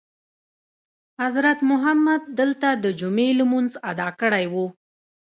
حضرت محمد دلته دجمعې لمونځ ادا کړی وو.